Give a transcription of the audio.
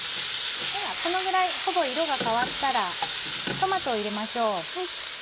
このぐらいほぼ色が変わったらトマトを入れましょう。